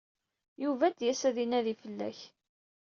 Yuba ad d-yas ad inadi fell-ak.